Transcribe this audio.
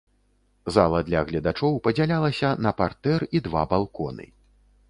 Зала для гледачоў падзялялася на партэр і два балконы.